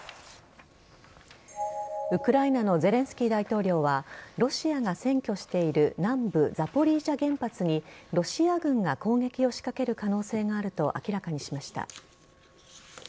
ウクライナのゼレンスキー大統領はロシアが占拠している南部・ザポリージャ原発にロシア軍が攻撃を仕掛ける可能性があると明らかにしました。